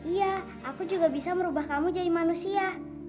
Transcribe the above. iya aku juga bisa merubah kamu jadi manusia